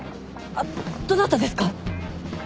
あっどなたですか？